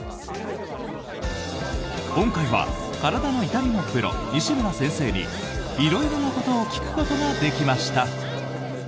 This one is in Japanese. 今回は体の痛みのプロ、西村先生に色々なことを聞くことができました。